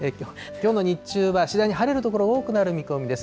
きょうの日中は次第に晴れる所、多くなる見込みです。